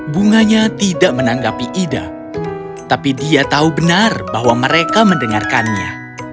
bunganya tidak menanggapi ida tapi dia tahu benar bahwa mereka mendengarkannya